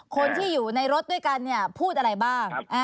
คนที่อยู่ในรถด้วยกันเนี่ยพูดอะไรบ้าง